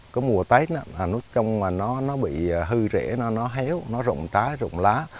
có mùa tết nó trông bị hư rễ nó héo nó rộng trái rộng lá